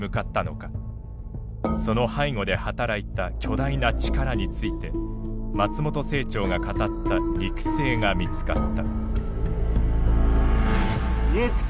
その背後で働いた巨大な力について松本清張が語った肉声が見つかった。